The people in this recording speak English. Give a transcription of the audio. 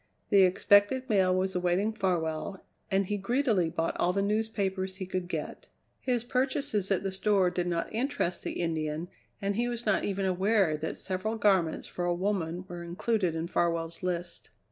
The expected mail was awaiting Farwell, and he greedily bought all the newspapers he could get. His purchases at the store did not interest the Indian and he was not even aware that several garments for a woman were included in Farwell's list.